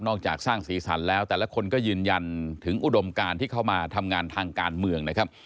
จากสร้างสีสันแล้วแต่ละคนก็ยืนยันถึงอุดมการที่เข้ามาทำงานทางการเมืองนะครับ